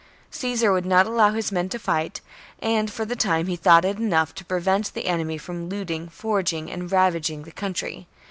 Caesar would not allow his men to fight, and for the time he thought it enough to prevent the enemy from looting, foraging, and ravaging the country.